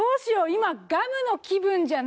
今ガムの気分じゃない。